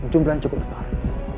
jumlahnya cukup besar